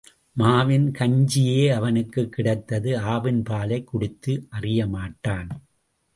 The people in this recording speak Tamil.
மாவின் கஞ்சியே அவனுக்குக் கிடைத்தது ஆவின் பாலைக் குடித்து அறிய மாட்டான்.